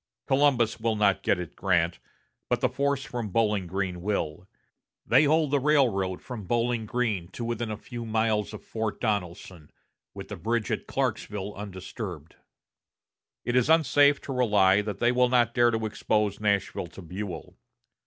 Columbus will not get at Grant, but the force from Bowling Green will. They hold the railroad from Bowling Green to within a few miles of Fort Donelson, with the bridge at Clarksville undisturbed. It is unsafe to rely that they will not dare to expose Nashville to Buell.